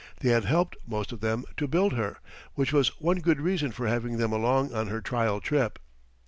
They had helped, most of them, to build her: which was one good reason for having them along on her trial trip.